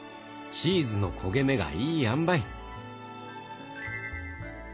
チーズの焦げ目がいいあんばい。